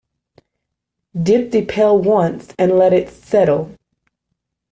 Dip the pail once and let it settle.